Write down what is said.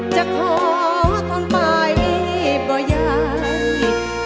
จะขอทนไปบ่อยัง